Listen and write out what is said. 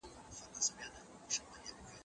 پیروان باید د خپلو مشرانو عقدې پرېږدي.